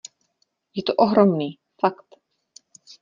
Je to ohromný, fakt.